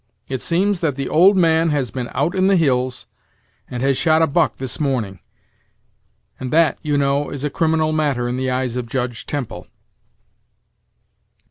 It seems that the old man has been out in the hills, and has shot a buck this morning, and that, you know, is a criminal matter in the eyes of Judge Temple."